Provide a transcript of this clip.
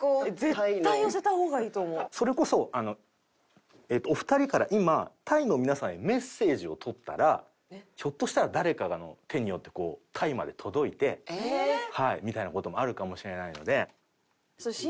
それこそお二人から今タイの皆さんへメッセージを撮ったらひょっとしたら誰かの手によってこうタイまで届いてみたいな事もあるかもしれないので。